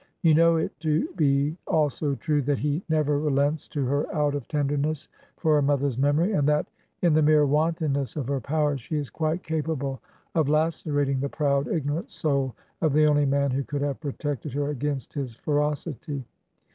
You know it to be also true that he never relents to her out of tenderness for her mother's memory; and that in the mere wantonness of her power she is quite capable of lacerating the proud, ignorant soul of the only man who could have protected her against his ferocity.